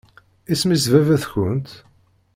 Isem-is baba-tkent?